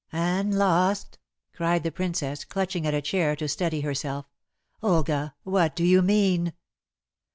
"Anne lost?" cried the Princess, clutching at a chair to steady herself. "Olga, what do you mean?"